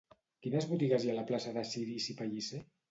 Quines botigues hi ha a la plaça de Cirici Pellicer?